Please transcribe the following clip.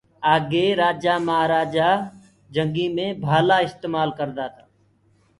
آگي رآجآ مآهرآجآ جنگيٚ مي ڀآلآ استمآل ڪردآ تآ۔